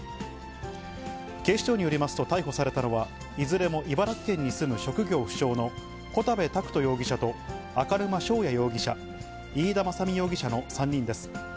警視庁によりますと、逮捕されたのは、いずれも茨城県に住む職業不詳の小田部拓斗容疑者と赤沼しょうや容疑者、飯田政実容疑者の３人です。